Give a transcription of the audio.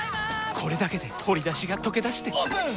これだけで鶏だしがとけだしてオープン！